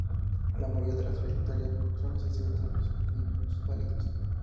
La mayoría de las trayectorias son accesibles a los minusválidos.